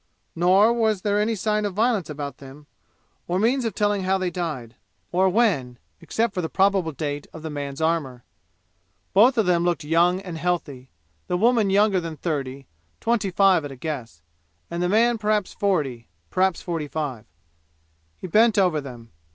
Nor was there any sign of violence about them, or means of telling how they died, or when, except for the probable date of the man's armor. Both of them looked young and healthy the woman younger than thirty twenty five at a guess and the man perhaps forty, perhaps forty five. He bent over them.